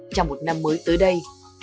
trong một năm mới tới đây